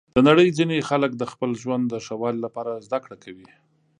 د نړۍ ځینې خلک د خپل ژوند د ښه والي لپاره زده کړه کوي.